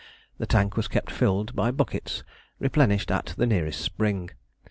The tank was kept filled by buckets replenished at the nearest spring.